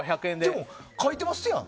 書いてますやん。